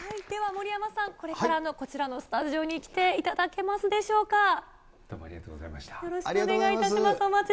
では、森山さん、これからこちらのスタジオに来ていただけますでしょうか。